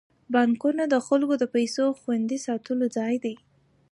بانکونه د خلکو د پيسو خوندي ساتلو ځای دی.